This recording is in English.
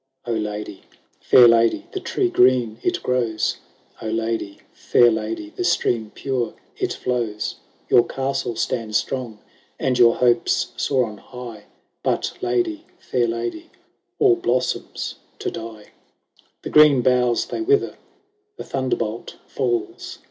—" O lady, fair lady, the tree green it grows ; O lady, fair lady, the stream pure it flows ; Tour castle stands strong, and your hopes soar on high, But lady, fair lady, all blossoms to die. " The green boughs they wither, the thunderbolt falls.